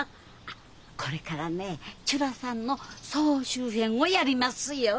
これからね「ちゅらさん」の総集編をやりますよ。